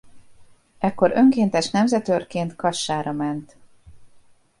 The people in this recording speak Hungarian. Ekkor önkéntes nemzetőrként Kassára ment.